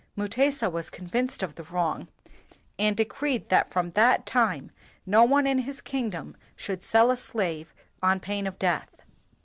'' Mutesa was convinced of the wrong, and decreed that from that time no one in his kingdom should sell a slave on pain of death.